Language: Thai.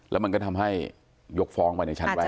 แล้วมันก็ทำให้ยกฟ้องไปในชั้นแรก